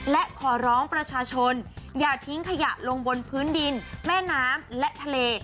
และขอร้องประชาชนอย่าทิ้งขยะลงบนพื้นดินแม่น้ำและทะเล